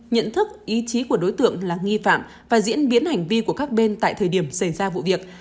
nhận thức ý chí của đối tượng là nghi phạm và diễn biến hành vi của các bên tại thời điểm xảy ra vụ việc